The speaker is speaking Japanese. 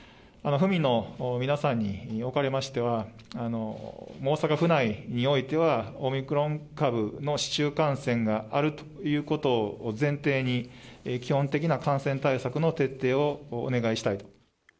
府民の皆さんにおかれましては、大阪府内においては、オミクロン株の市中感染があるということを前提に、基本的な感染対策の徹底をお願いしたいと。